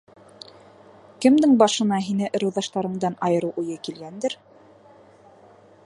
Кемдең башына һине ырыуҙаштарыңдан айырыу уйы килгәндер?